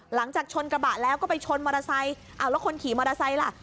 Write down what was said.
หลังจากชนกระบะแล้วก็ไปชนมอเตอร์ไซค์อ้าวแล้วคนขี่มอเตอร์ไซค์ล่ะ